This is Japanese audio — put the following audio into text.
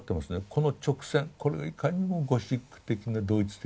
この直線これがいかにもゴシック的なドイツ的なね